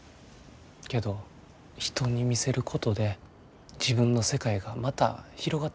けど人に見せることで自分の世界がまた広がってくんですよね。